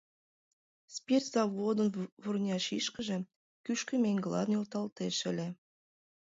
Спирт заводын вурня шикшыже кӱшкӧ меҥгыла нӧлталтеш ыле.